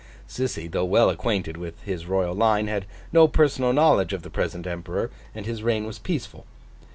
Sissy, though well acquainted with his Royal line, had no personal knowledge of the present Emperor, and his reign was peaceful.